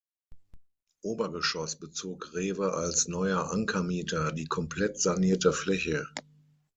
Obergeschoss bezog Rewe als neuer Ankermieter die komplett sanierte Fläche.